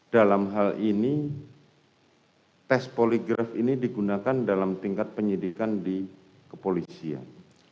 dalam hal ini tes poligraf ini digunakan dalam tingkat penyidikan di kepolisian